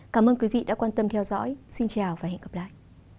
cảm ơn quý vị đã quan tâm theo dõi xin chào và hẹn gặp lại